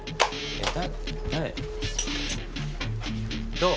どう？